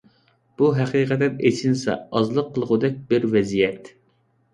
بۇ ھەقىقەتەن ئىچىنسا ئازلىق قىلغۇدەك بىر ۋەزىيەت.